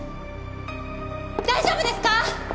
大丈夫ですか！？